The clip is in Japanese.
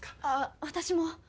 あっ私も。